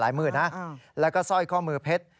หมื่นนะแล้วก็สร้อยข้อมือเพชร